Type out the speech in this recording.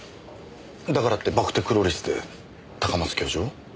だからってバクテクロリスで高松教授を？